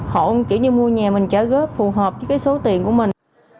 hộ kiểu như mua nhà mình trợ góp phù hợp với cái số tiền của mình